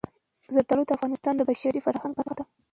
زردالو د افغانستان د بشري فرهنګ برخه ده.